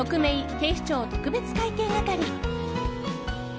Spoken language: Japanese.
警視庁特別会計係」。